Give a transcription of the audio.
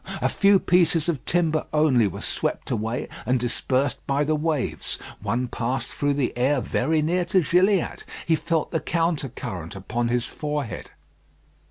A few pieces of timber only were swept away and dispersed by the waves. One passed through the air very near to Gilliatt. He felt the counter current upon his forehead.